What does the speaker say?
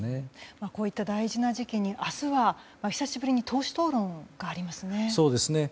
こういった大事な時期に明日は久しぶりに党首討論がありますね。